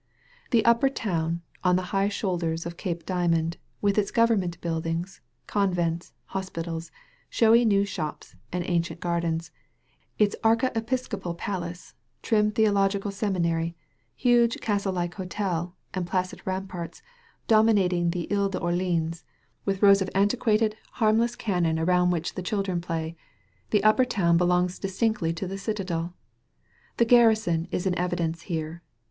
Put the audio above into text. The Upper Town, on the high shoulders of Cape Diamond, with its government buildings, convents, hospitals, showy new shops, and ancient gardens, its archiepiscopal palace, trim theological semi nary, huge castie like hotel, and placid ramparts dominating the lie ffOrlSans with rows of anti 173 THE VALLEY OF VISION quated, harmless cannon around which the chil dren play — the Upper Town belongs distinctly to the citadel. The garrison is in evidence here.